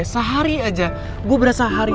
sehari aja gue berasa hari